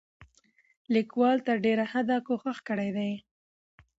لیکوال تر ډېره حده کوښښ کړی دی،